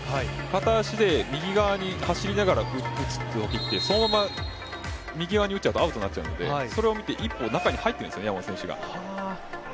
片足で右側に走りながら打つ動きってそのまま右側に打っちゃうとアウトになっちゃうんで、それを見て一歩中に入ってるんですよね、山本選手が。